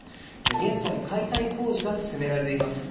現在解体工事が進められています。